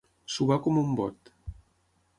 Suar com un bot.